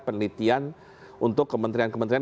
penelitian untuk kementerian kementerian